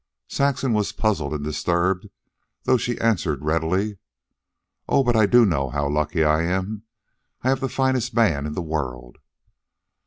Saxon was puzzled and disturbed, though she answered readily: "Oh, but I do know how lucky I am. I have the finest man in the world."